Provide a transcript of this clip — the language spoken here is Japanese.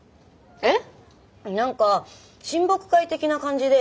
えっ？